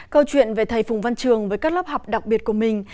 câu chuyện về thầy phùng văn trường với các lớp học đặc biệt của mình